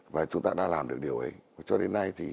và chúng ta đã làm được điều ấy